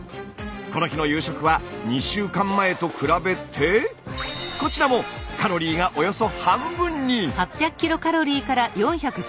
この日の夕食は２週間前と比べてこちらもカロリーがおよそ半分に！